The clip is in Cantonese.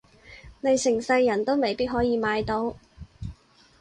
你成世人都未必可以買到